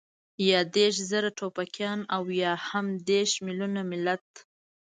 يا دېرش زره ټوپکيان او يا هم دېرش مېليونه ملت.